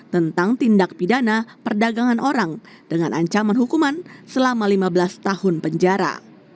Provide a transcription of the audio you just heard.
tentang tindak pidana perdagangan orang dengan ancaman hukuman selama lima belas tahun penjara